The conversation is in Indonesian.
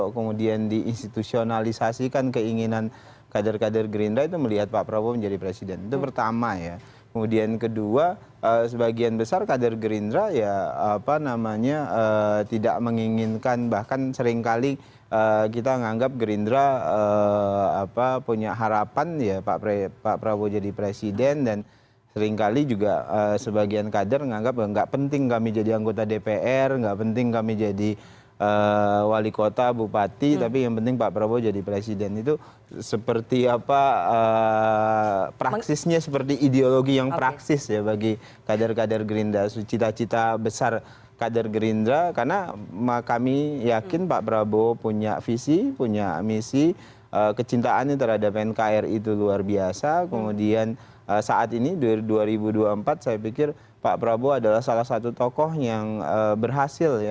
kemudian saat ini dua ribu dua puluh empat saya pikir pak prabowo adalah salah satu tokoh yang berhasil